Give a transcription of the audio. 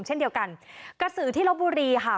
เช่นเดียวกันกระสือที่ลบบุรีค่ะ